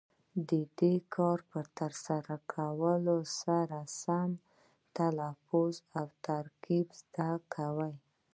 د دې کار په ترسره کولو سره سم تلفظ او ترکیب زده کوي.